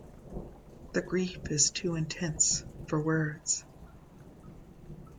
The grief is too intense for words.